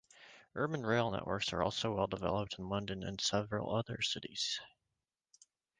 Urban rail networks are also well developed in London and several other cities.